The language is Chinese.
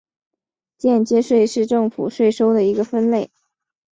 间接税是政府税收的一个分类。